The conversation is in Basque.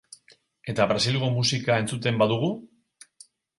Eta Brasilgo musika entzuten badugu?